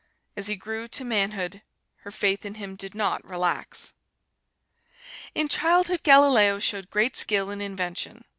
As he grew to manhood, her faith in him did not relax. In childhood Galileo showed great skill in invention.